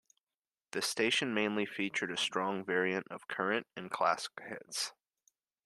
The station mainly featured a strong variety of current and classic hits.